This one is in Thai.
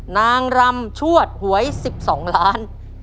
นางรำชวดหวย๑๒ล้าน